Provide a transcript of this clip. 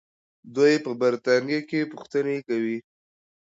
دوی په برتانیا کې پوښتنې کوي.